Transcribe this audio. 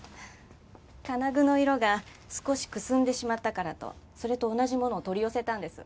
金具の色が少しくすんでしまったからとそれと同じものを取り寄せたんです。